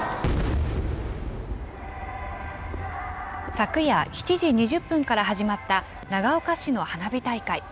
昨夜７時２０分から始まった長岡市の花火大会。